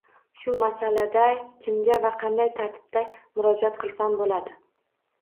Shu masalalada kimga va qanday tartibda murojaat qilsam bo‘ladi?